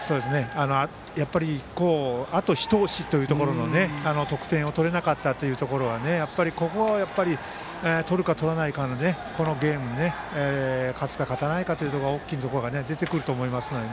やっぱりあと一押しというところでの得点を取れなかったというところがここを取るか取らないかというのがこのゲームを勝つか勝たないか大きいところが出てくると思いますので。